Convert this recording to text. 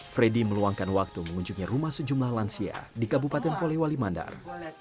freddy meluangkan waktu mengunjungi rumah sejumlah lansia di kabupaten polewali mandar